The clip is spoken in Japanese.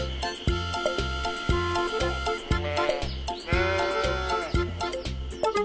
あれ？